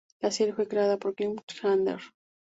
La serie fue creada por Glenn Chandler.